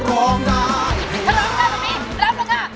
ร้องได้ต่อไปรับรึง่ะ